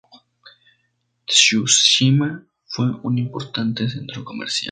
Tsushima fue un importante centro comercial.